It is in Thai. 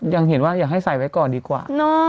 อยากให้ใส่ไว้ก่อนดีกว่า